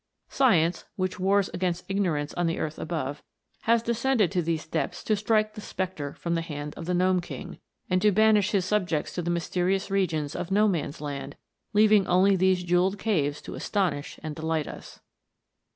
Science, which wars against ignorance on the earth above, has descended to these depths to strike the sceptre from the hand of the Gnome King, and to banish his subjects to the mysterious regions of No man's land, leaving only these jewelled caves to astonish and delight us.